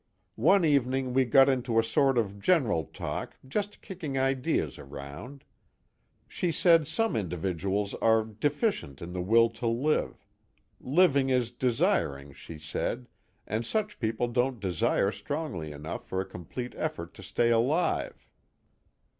One evening we got into a sort of general talk, just kicking ideas around. She said some individuals are deficient in the will to live; living is desiring, she said, and such people don't desire strongly enough for a complete effort to stay alive.